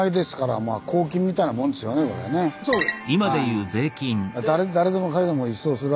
そうです。